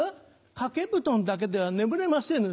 掛け布団だけでは眠れませぬ。